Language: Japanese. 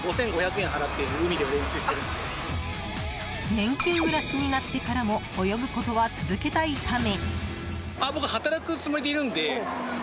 年金暮らしになってからも泳ぐことは続けたいため。